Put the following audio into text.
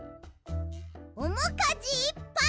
おもかじいっぱい！